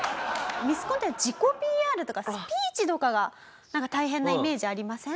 ミスコンって自己ＰＲとかスピーチとかがなんか大変なイメージありません？